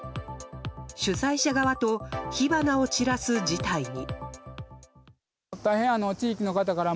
主催者側と火花を散らす事態に。